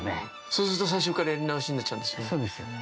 そうすると最初からやり直しになっちゃうんですよね。